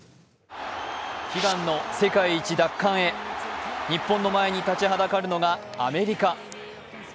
悲願の世界一奪還へ、日本の前に立ちはだかるのがアメリカ。